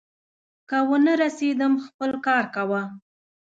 که ونه رسېدم، خپل کار کوه.